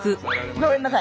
ごめんなさい。